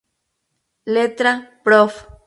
Letra: Prof.